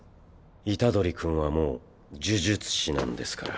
虎杖君はもう呪術師なんですから。